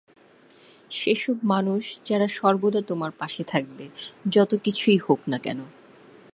সেসব মানুষ যারা সর্বদা তোমার পাশে থাকবে, যত কিছুই হোক না কেন।